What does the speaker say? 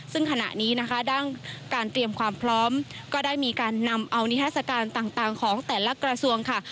ซึ่งขณะนี้นะคะด้านการเตรียมความพร้อมก็ได้มีการนำเอานิทัศกาลต่างของแต่ละกระทรวงค่ะ